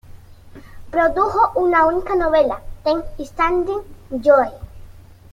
Produjo una única novela, "The Standing Joy".